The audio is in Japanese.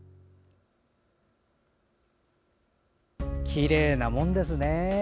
きれいなものですね。